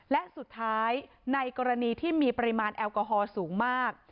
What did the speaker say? และสุดท้ายในกรณีที่มีปริมาณแอลกอฮอลสูงมาก